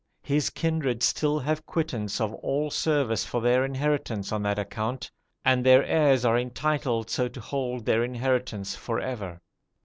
His kindred still have quittance of all service for their inheritance on that account, and their heirs are entitled so to hold their inheritance for ever.